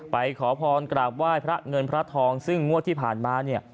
ขอพรกราบไหว้พระเงินพระทองซึ่งงวดที่ผ่านมาเนี่ย